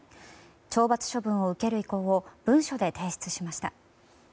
懲罰処分を受ける意向を文書で提出しました。